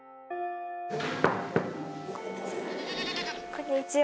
こんにちは。